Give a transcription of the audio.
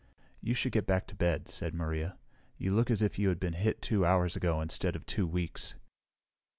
"You should get back to bed," said Maria. "You look as if you had been hit two hours ago instead of two weeks."